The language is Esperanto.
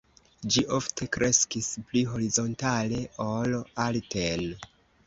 Ĝi ofte kreskis pli horizontale ol alten.